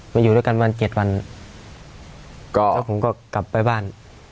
มาอยู่ด้วยกันวัน๗วันเจ้าของก็กลับไปบ้าน